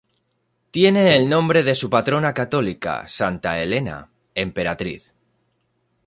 Tiene el nombre de su patrona católica, Santa Elena, Emperatriz.